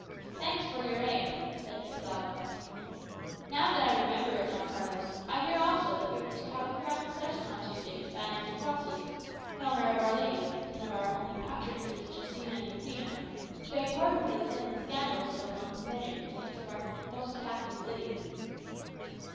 "Thanks for your aid," said Gonsalvo. "Now that I remember it, Don Carlos, I hear also that we are to have a grand procession on Tuesday with banners and crosses, in honour of Our Lady, and of our holy patronesses Justina and Rufina, to beg pardon for the sin and scandal so long permitted in the midst of our most Catholic city.